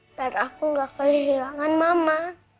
biar aku gak kehilangan mama